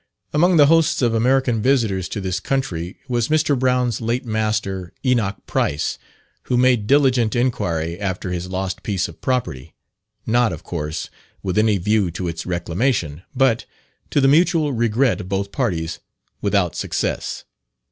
Among the hosts of American visitors to this country was Mr. Brown's late master, Enoch Price, who made diligent inquiry after his lost piece of property not, of course, with any view to its reclamation but, to the mutual regret of both parties, without success.